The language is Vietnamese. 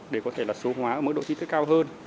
để có thể là số hóa mức độ chi tiết cao hơn